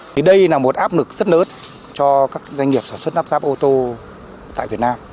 thì đây là một áp lực rất lớn cho các doanh nghiệp sản xuất lắp ráp ô tô tại việt nam